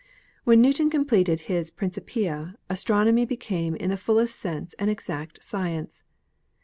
When Newton completed his Trincipia' astronomy be came in the fullest sense an exact science.